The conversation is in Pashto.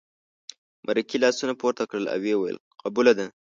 مرکې لاسونه پورته کړل او ویې ویل قبوله ده.